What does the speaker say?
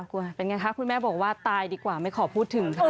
เป็นไงคะคุณแม่บอกว่าตายดีกว่าไม่ขอพูดถึงค่ะ